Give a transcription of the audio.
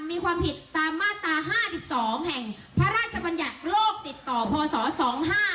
มีความผิดตามมาตราห้าสิบสองแห่งพระราชบัญญัติโลกติดต่อพศ๒๕๖